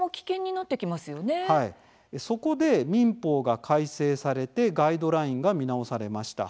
そこで民法が改正されてガイドラインが見直されました。